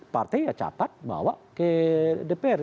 partai ya catat bawa ke dpr